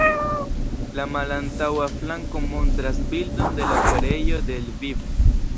La malantaŭa flanko montras bildon de la operejo de Lvivo.